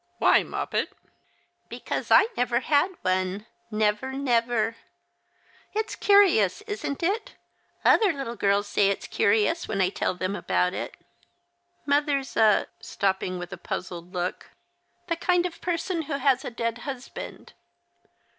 " Why, Moppet ?"" Because I never had one. Never, never. It's The Christmas Hirelings. 127 curious, isn't it? Other little girls say it's curious when I tell them about it. Mother's a "— stopping with a puzzled look — "the kind of person who has a dead husband."